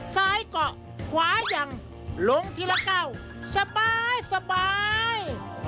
เกาะขวายังลงทีละเก้าสบาย